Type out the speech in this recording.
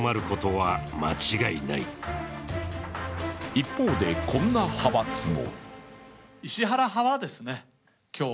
一方で、こんな派閥も。